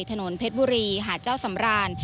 ถนนเพชรบุรีหาดเจ้าสำราน